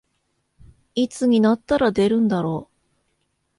いつになったら出るんだろう